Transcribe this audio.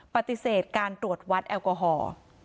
ปฏิเสธการตรวจวัดแอลกอฮอล์